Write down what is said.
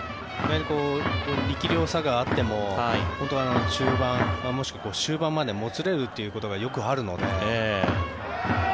力量差があっても中盤、もしくは終盤までもつれるということがよくあるので。